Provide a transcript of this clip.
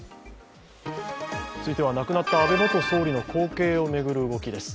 亡くなった安倍元総理の後継を巡る動きです